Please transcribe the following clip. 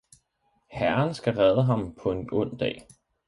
Herren skal redde ham paa en ond Dag!